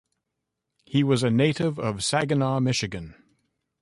He was a native of Saginaw, Michigan.